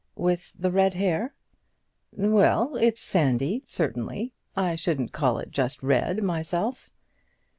"With the red hair?" "Well, it's sandy, certainly. I shouldn't call it just red myself."